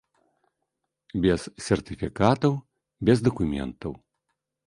Без сертыфікатаў, без дакументаў.